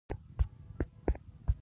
احمد پر اور کړولی يم.